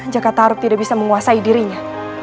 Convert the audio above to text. jaka taruk tidak bisa menguasai dirinya